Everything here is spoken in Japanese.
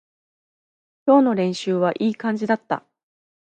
今日の練習はいい感じだった